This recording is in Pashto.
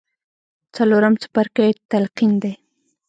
څلورم څپرکی تلقين دی.